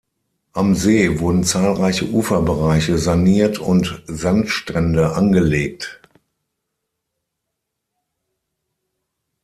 Am See wurden zahlreiche Uferbereiche saniert und Sandstrände angelegt.